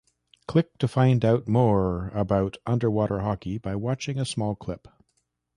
Click to find out more about Underwater Hockey by watching a small clip.